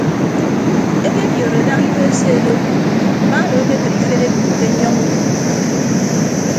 Ekebiodo daña ido eseedo mma odo akekịd ifed ekpo ke nnyọñọ udua.